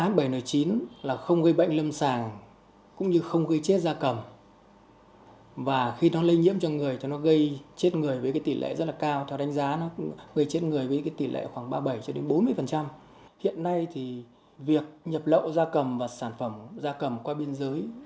trong bối cảnh này việc nhập lậu ra cầm và sản phẩm ra cầm qua biên giới